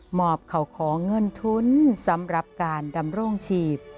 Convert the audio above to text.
หมอบเขาขอเงินทุนสำหรับการดำรงฉีบ